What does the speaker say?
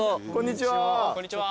こんにちは。